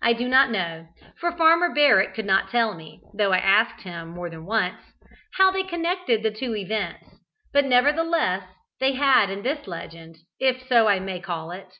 I do not know for Farmer Barrett could not tell me, though I asked him more than once how they connected the two events, but nevertheless they had this legend, if so I may call it.